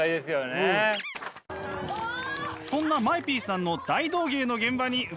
そんなＭＡＥＰさんの大道芸の現場に伺いました。